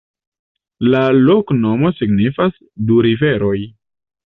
La loknomo signifas: du riveroj.